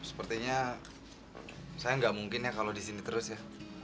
mas sepertinya saya nggak mungkin ya kalau disini terus ya